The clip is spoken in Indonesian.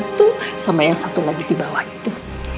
itu sama yang satu lobb di bawah itu